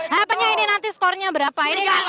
harapannya ini nanti skornya berapa